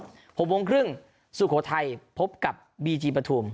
๖โมงครึ่งสุโขทัยพบกับบีจีปฐุม